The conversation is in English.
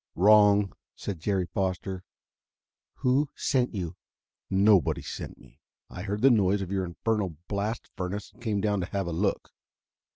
"Wrong," said Jerry Foster. "Who sent you?" "Nobody sent me. I heard the noise of your infernal blast furnace and came down to have a look."